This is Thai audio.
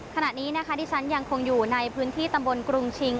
ขณะนี้นะคะที่ฉันยังคงอยู่ในพื้นที่ตำบลกรุงชิง